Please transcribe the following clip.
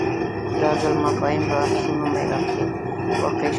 دا ځل مفاهیم بحثونو محراق کې واقع شول